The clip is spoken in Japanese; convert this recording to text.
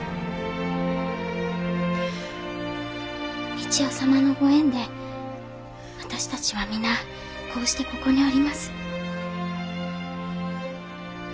三千代様のご縁で私たちはみなこうしてここにおります。